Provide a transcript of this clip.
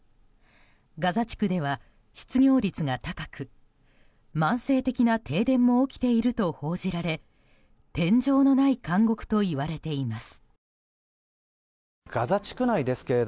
ガザ地区では失業率が高く慢性的な停電も起きていると報じられ天井のない監獄といわれています。